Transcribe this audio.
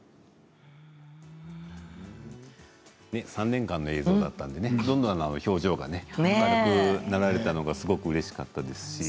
３年間の映像だったのでどんどん表情が明るくなられたのがうれしかったですし。